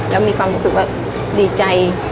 แล้วมีความรู้สึกว่าดีใจ